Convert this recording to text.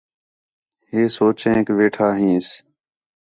ہے سوچینک ویٹھا ہینس